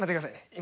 今。